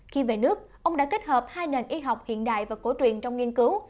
khi về nước ông đã kết hợp hai nền y học hiện đại và cổ truyền trong nghiên cứu